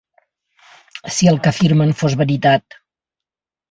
Si el que afirmen fos veritat.